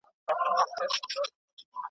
له زمري پاچا یې وکړله غوښتنه .